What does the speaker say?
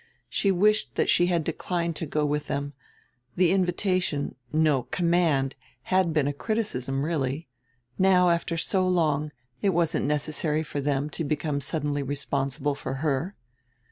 She wished that she had declined to go with them: the invitation, no, command, had been a criticism, really. Now, after so long, it wasn't necessary for them to become suddenly responsible for her.